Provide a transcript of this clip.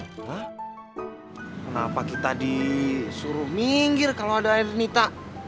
hah kenapa kita disuruh minggir kalo ada ernita